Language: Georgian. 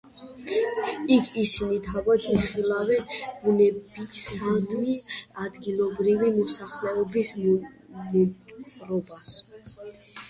იქ ისინი თავად იხილავენ ბუნებისადმი ადგილობრივი მოსახლეობის მოპყრობას.